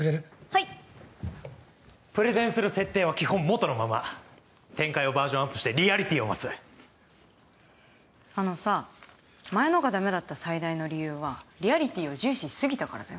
はいプレゼンする設定は基本元のまま展開をバージョンアップしてリアリティを増すあのさ前のがダメだった最大の理由はリアリティを重視しすぎたからだよ